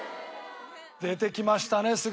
出てきましたね